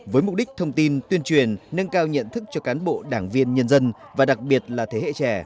với mục đích thông tin tuyên truyền nâng cao nhận thức cho cán bộ đảng viên nhân dân và đặc biệt là thế hệ trẻ